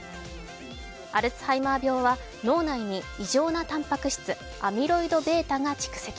アルツハイマー病は脳内に異常なたんぱく質、アミロイドβが蓄積。